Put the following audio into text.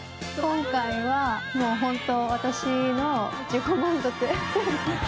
今回はもう本当私の自己満足。